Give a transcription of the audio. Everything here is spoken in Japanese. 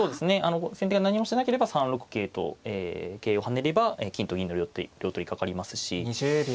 先手が何もしなければ３六桂と桂を跳ねれば金と銀の両取りかかりますし。